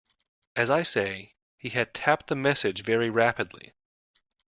As I say, he had tapped the message very rapidly.